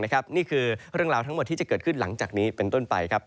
นี่คือเรื่องราวทั้งหมดที่จะเกิดขึ้นหลังจากนี้เป็นต้นไปครับ